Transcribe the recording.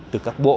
từ các bộ